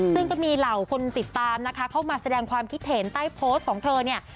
ซึ่งก็มีเหล่าคนติดตามนะคะเข้ามาแสดงความคิดเห็นใต้โพสต์ของเธอเนี่ย